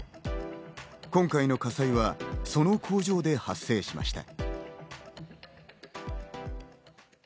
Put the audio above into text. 今回の火災はその工場で発生しました。